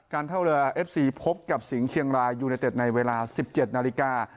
เท่าเรือเอฟซีพบกับสิงห์เชียงรายยูเนเต็ดในเวลา๑๗นาฬิกา